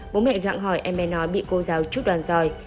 bố mẹ gặng hỏi em bé nói bị cô giáo trúc đoàn dòi